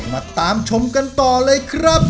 มาตามชมกันต่อเลยครับ